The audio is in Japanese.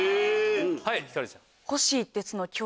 はいひかるちゃん。